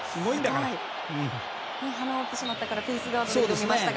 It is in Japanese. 鼻を折ってしまったからフェースガードをしてましたが。